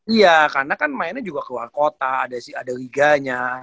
iya karena kan mainnya juga keluar kota ada riganya